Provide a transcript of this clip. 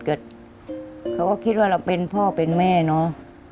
เขาก็คิดว่าเราเป็นพ่อเป็นแม่เนอะ